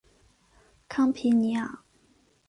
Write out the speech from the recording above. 康皮尼昂。